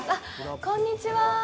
こんにちは。